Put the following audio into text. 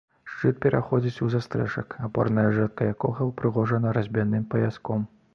Шчыт пераходзіць у застрэшак, апорная жэрдка якога ўпрыгожана разьбяным паяском.